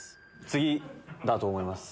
次だと思います。